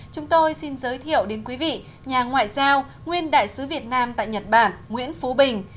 chúng tôi xin giới thiệu đến quý vị nhà ngoại giao nguyên đại sứ việt nam tại nhật bản nguyễn phú bình